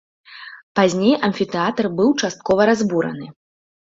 Пазней амфітэатр быў часткова разбураны.